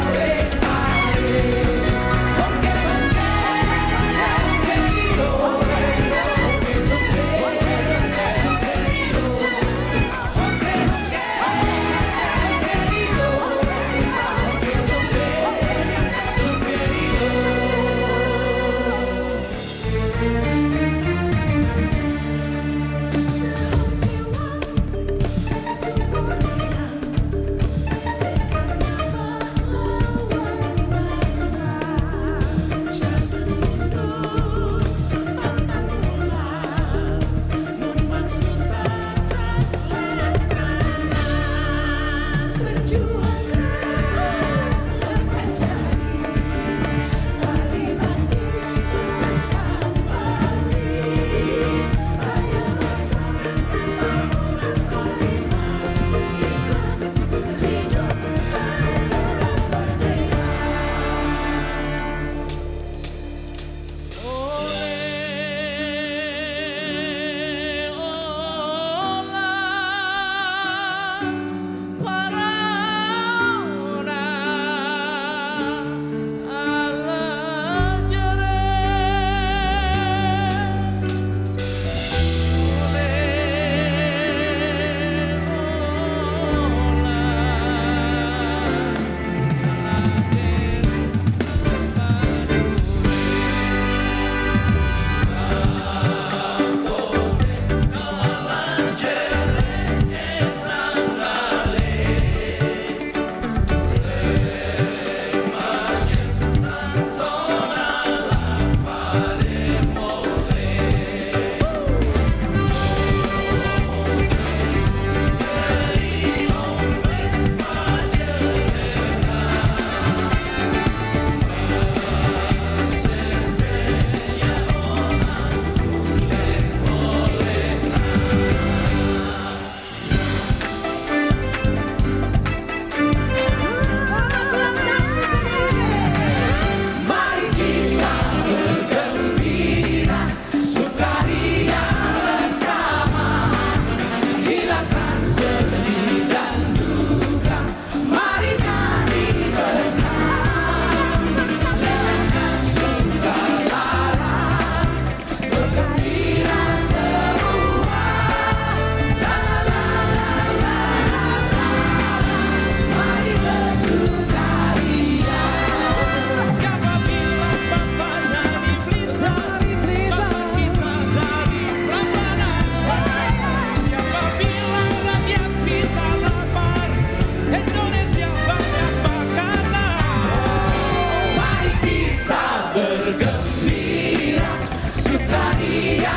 bergerak seretan bergerak seretan sanggupkan jiwa pengantinan mengganti pada tuhan dan pada para